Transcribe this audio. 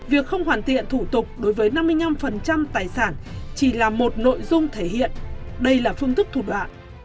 việc không hoàn thiện thủ tục đối với năm mươi năm tài sản chỉ là một nội dung thể hiện đây là phương thức thủ đoạn